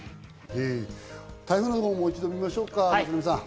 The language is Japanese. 台風、もう一度見ましょう。